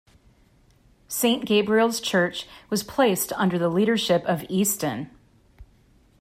Saint Gabriel's Church was placed under the leadership of Easton.